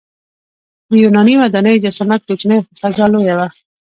د یوناني ودانیو جسامت کوچنی خو فضا لویه وه.